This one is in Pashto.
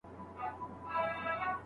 باید د دي فرصتونو څخه سالمه ګټه پورته سي.